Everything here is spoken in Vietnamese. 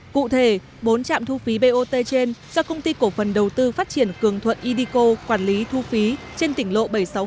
cụ thể bốn trạm thu phí bot trên do công ty cổ phần đầu tư phát triển cường thuận idco quản lý thu phí trên tỉnh lộ bảy trăm sáu mươi